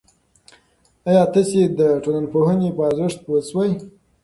آیا تاسو د ټولنپوهنې په ارزښت پوه شوئ؟